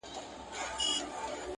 چي كوڅې يې وې ښايستې په پېغلو حورو٫